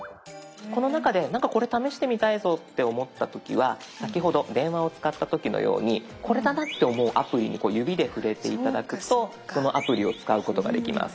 この中でなんかこれ試してみたいぞって思った時は先ほど電話を使った時のようにこれだなって思うアプリに指で触れて頂くとそのアプリを使うことができます。